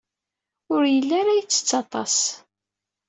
Ur yelli ara yettett aṭas.